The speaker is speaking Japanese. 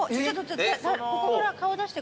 ここから顔出して。